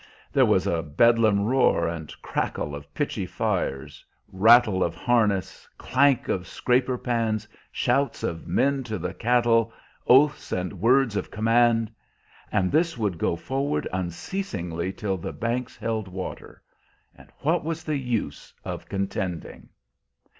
There was a bedlam roar and crackle of pitchy fires, rattle of harness, clank of scraper pans, shouts of men to the cattle, oaths and words of command; and this would go forward unceasingly till the banks held water. And what was the use of contending?